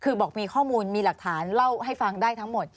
คือบอกมีข้อมูลมีหลักฐานเล่าให้ฟังได้ทั้งหมด